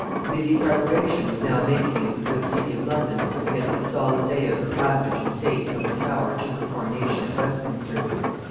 Busy preparation was now making in her good city of London against the solemn day of her passage in state from the Tower to her coronation at Westminster.